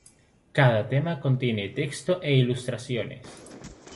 Cada tema contiene texto e ilustraciones.